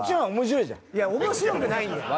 いや面白くないんだよ。